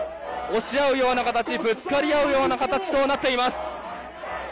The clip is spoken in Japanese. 押し合うような形ぶつかり合う形となっています。